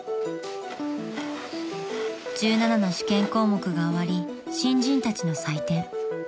［１７の試験項目が終わり新人たちの採点］